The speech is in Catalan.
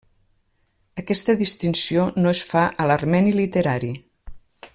Aquesta distinció no es fa a l'armeni literari.